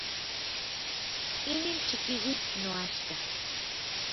Inin chikiuitl noaxka.